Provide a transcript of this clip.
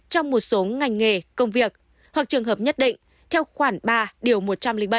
trong một số ngành nghề công việc hoặc trường hợp nhất định theo khoản ba điều một trăm linh bảy